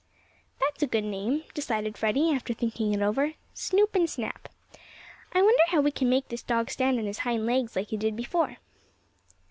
"That's a good name," decided Freddie, after thinking it over. "Snoop and Snap. I wonder how we can make this dog stand on his hind legs like he did before?"